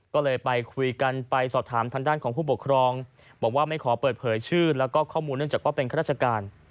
ก็เลยไปคุยกันไปสอบถามทางด้านของผู้ปกครองบอกว่าไม่ขอเปิดเผยชื่อแล้วก็ข้อมูลเนื่องจากว่าเป็นข้าราชการ